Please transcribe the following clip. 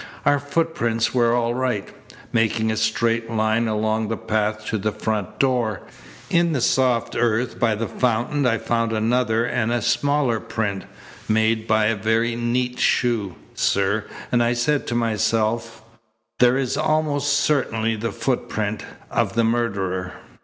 Our footprints were all right making a straight line along the path to the front door. In the soft earth by the fountain I found another and a smaller print, made by a very neat shoe, sir, and I said to myself: 'There is almost certainly the footprint of the murderer.'